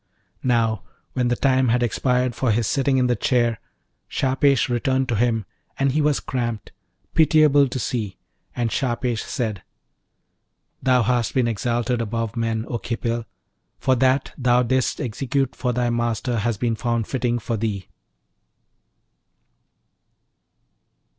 Now, when the time had expired for his sitting in the chair, Shahpesh returned to him, and he was cramped, pitiable to see; and Shahpesh said, 'Thou hast been exalted above men, O Khipil! for that thou didst execute for thy master has been found fitting for thee.'